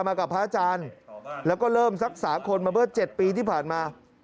มากับพระอาจารย์แล้วก็เริ่มรักษาคนมาเมื่อ๗ปีที่ผ่านมา